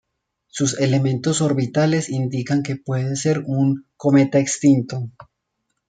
Sus elementos orbitales indican que puede ser un cometa extinto.